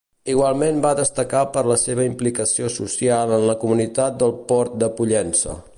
Igualment va destacar per la seva implicació social en la comunitat del Port de Pollença.